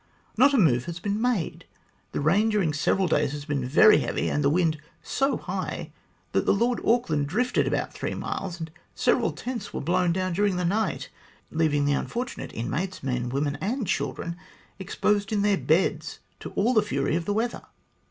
Not a move has been made. The rain during several days has been very heavy, and the wind so high that the Lord Auckland drifted about three miles, and several tents were blown down during the night, leaving the unfortunate inmates men, women, and children exposed in their beds to all the fury of the weather.